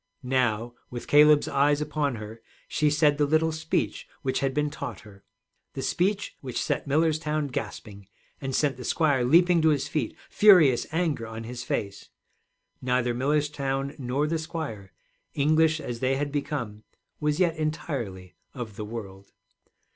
Now, with Caleb's eyes upon her, she said the little speech which had been taught her, the speech which set Millerstown gasping, and sent the squire leaping to his feet, furious anger on his face. Neither Millerstown nor the squire, English as they had become, was yet entirely of the world.